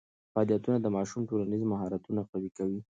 فعالیتونه د ماشوم ټولنیز مهارتونه قوي کوي.